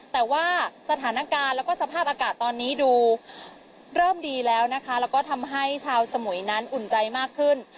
แต่ว่าสถานการณ์แล้วก็สภาพอากาศตอนนี้ดูเริ่มดีแล้วนะคะแล้วก็ทำให้ชาวสมุยนั้นอุ่นใจมากขึ้น